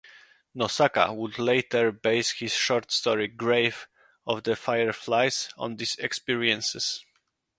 Nosaka would later base his short story "Grave of the Fireflies" on these experiences.